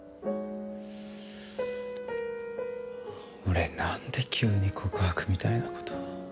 俺なんで急に告白みたいな事。